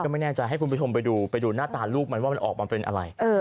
ไม่แน่ใจให้คุณผู้ชมไปดูไปดูหน้าตาลูกมันว่ามันออกมาเป็นอะไร